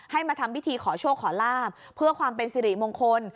มาทำพิธีขอโชคขอลาบเพื่อความเป็นสิริมงคล